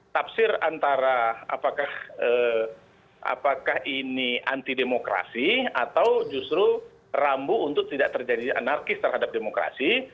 tafsir antara apakah ini anti demokrasi atau justru rambu untuk tidak terjadi anarkis terhadap demokrasi